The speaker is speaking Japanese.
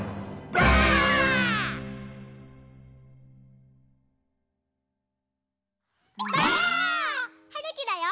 ばあっ！はるきだよ。